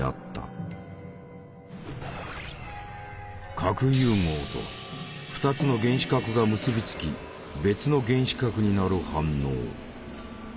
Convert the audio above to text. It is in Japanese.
核融合とは２つの原子核が結び付き別の原子核になる反応。